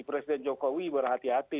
presiden jokowi berhati hati